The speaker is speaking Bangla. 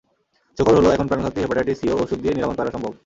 সুখবর হলো, এখন প্রাণঘাতী হেপাটাইটিস সিও ওষুধ দিয়ে নিরাময় করা সম্ভব।